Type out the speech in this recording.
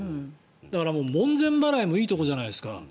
だから門前払いもいいところじゃないですか。